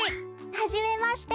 はじめまして。